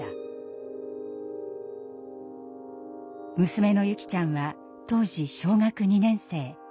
娘の優希ちゃんは当時小学２年生。